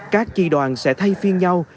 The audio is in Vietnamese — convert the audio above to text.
các chi đoàn sẽ thay phiên nhau